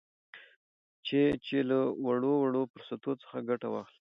چې چې له وړ وړ فرصتونو څخه ګته واخلي